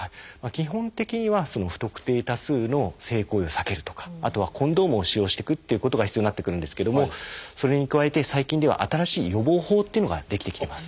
基本的には不特定多数の性行為を避けるとかあとはコンドームを使用してくということが必要になってくるんですけどもそれに加えて最近では新しい予防法っていうのが出来てきてます。